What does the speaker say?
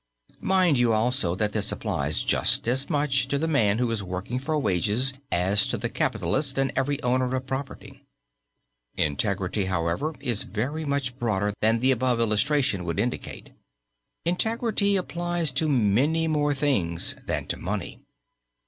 Mind you also that this applies just as much to the man who is working for wages as to the capitalist and every owner of property. Integrity, however, is very much broader than the above illustration would indicate. Integrity applies to many more things than to money.